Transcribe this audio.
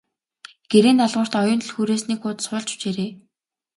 Гэрийн даалгаварт Оюун түлхүүрээс нэг хуудас хуулж бичээрэй.